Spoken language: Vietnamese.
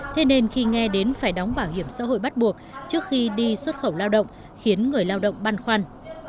thế nên khi nghe đến phải đóng bảo hiểm xã hội bắt buộc trước khi đi xuất khẩu lao động khiến người lao động băn khoăn